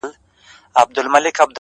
شپه كي هم خوب نه راځي جانه زما؛